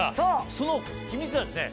その秘密はですね